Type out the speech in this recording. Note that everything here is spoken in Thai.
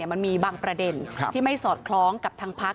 มันมีบางประเด็นที่ไม่สอดคล้องกับทางพัก